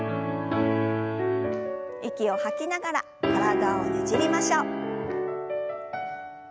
息を吐きながら体をねじりましょう。